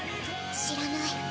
知らない。